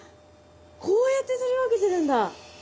こうやって取り分けてるんだ。